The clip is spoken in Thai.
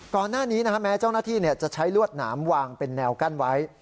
ก่อนหน้านี้แม้เจ้าหน้าที่จะใช้ลวดหนามวางเป็นแนวกั้นไว้